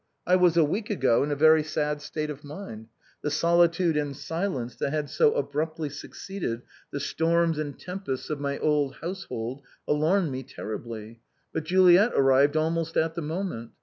I was a week ago in a very sad state of mind. The solitude and silence that had so abruptly succeeded tlie storms and tempests of my old household alarmed me terriblj'^, but Juliet arrived al most at the moment.